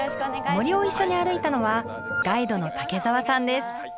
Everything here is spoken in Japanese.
森を一緒に歩いたのはガイドの竹澤さんです。